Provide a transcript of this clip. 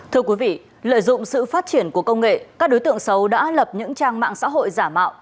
thưa quý vị lợi dụng sự phát triển của công nghệ các đối tượng xấu đã lập những trang mạng xã hội giả mạo